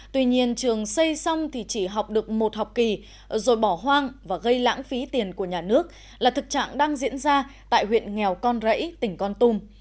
tuy nhiên trường xây xong thì chỉ học được một học kỳ rồi bỏ hoang và gây lãng phí tiền của nhà nước là thực trạng đang diễn ra tại huyện nghèo con rẫy tỉnh con tum